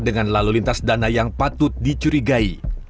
dengan lalu lintas dana yang patut dicurigai